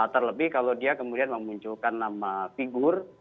terlebih kalau dia kemudian memunculkan nama figur